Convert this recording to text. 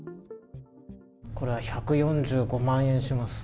これは１４５万円します。